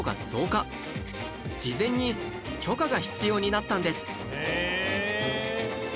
事前に許可が必要になったんです